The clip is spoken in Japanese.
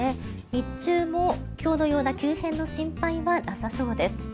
日中も今日のような急変の心配はなさそうです。